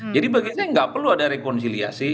jadi bagi saya tidak perlu ada rekonsiliasi